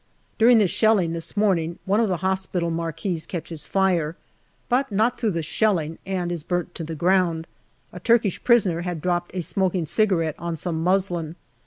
During the shelling, this morning, one of the hospital marquees catches fire, but not through the shelling, and is burnt to the ground. A Turkish prisoner had dropped a smoking cigarette on some muslin.